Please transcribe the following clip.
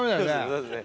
そうっすね